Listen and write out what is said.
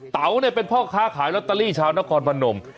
เต๋าเนี่ยเป็นพ่อค้าขายลอตเตอรี่ชาวนครพนม